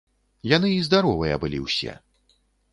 Яны і здаровыя былі ўсе.